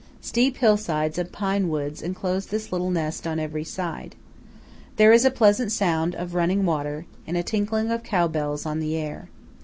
Steep hillsides of pine woods enclose this little nest on every side. There is a pleasant sound of running water, and a tinkling of cow bells, on the air.